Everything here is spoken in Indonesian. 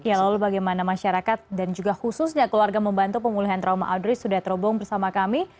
ya lalu bagaimana masyarakat dan juga khususnya keluarga membantu pemulihan trauma audris sudah terhubung bersama kami